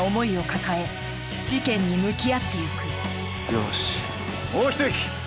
よしもう一息！